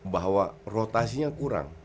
bahwa rotasinya kurang